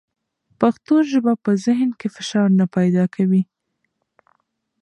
پښتو ژبه په ذهن کې فشار نه پیدا کوي.